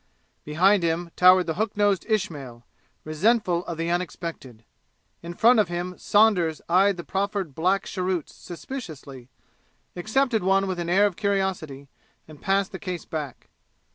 Behind him towered the hook nosed Ismail, resentful of the unexpected. In front of him Saunders eyed the proffered black cheroots suspiciously, accepted one with an air of curiosity and passed the case back.